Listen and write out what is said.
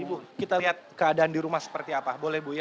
ibu kita lihat keadaan di rumah seperti apa boleh bu ya